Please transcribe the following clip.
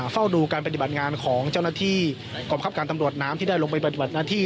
เฝ้าดูการปฏิบัติงานของเจ้าหน้าที่กองคับการตำรวจน้ำที่ได้ลงไปปฏิบัติหน้าที่